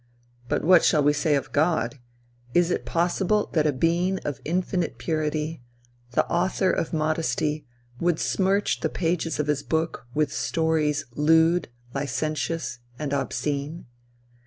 But what shall we say of God? Is it possible that a being of infinite purity the author of modesty, would smirch the pages of his book with stories lewd, licentious and obscene?